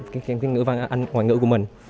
kiến thức ngữ và ngoại ngữ của mình